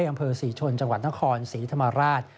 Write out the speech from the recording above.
อำเภอสี่ชนจังหวันทะคอนสีธรรมราช